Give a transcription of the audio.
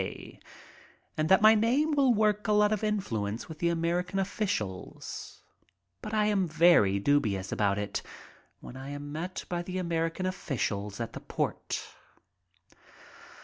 K. and that my name will work a lot of influ ence with the American officials; but I am very dubious about it when I am met by the American officials at the port.